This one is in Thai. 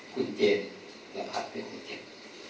คุณเจนระพัดเป็นคนเก็บ